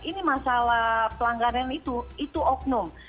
ini masalah pelanggaran itu itu oknum